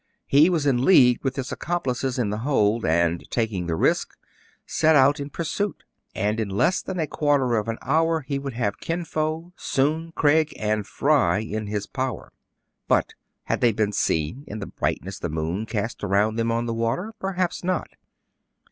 He was in league with his accomplices in the hold, and, taking the risk, set out in pur suit ; and in less than a quarter of an hour he would have Kin Fo, Soun, Craig, and Fry in his power. But had they been seen in the brightness the moon cast around them on the water.? Perhaps not.